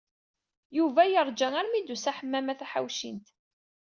Yuba yerǧa armi i d-usa Ḥemmama Taḥawcint.